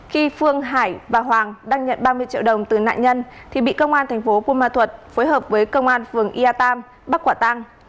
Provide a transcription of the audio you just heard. khi phương hải và hoàng đang nhận ba mươi triệu đồng từ nạn nhân thì bị công an tp bumma thuật phối hợp với công an phường ia tam bắt quả tang